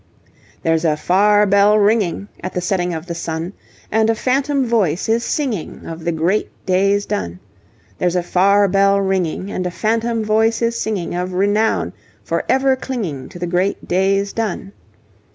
There's a far bell ringing, At the setting of the sun, And a phantom voice is singing Of the great days done. There's a far bell ringing, And a phantom voice is singing Of renown for ever clinging To the great days done.